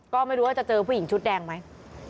ก็ไม่รู้ว่าจะเจอผู้หญิงชุดแดงไหม